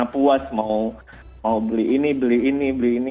individu yang gak pernah puas mau beli ini beli ini beli ini